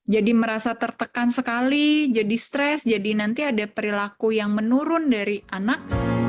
jadi merasa tertekan sekali jadi stres jadi nanti ada perilaku yang menurun dari anak